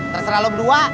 terserah lo berdua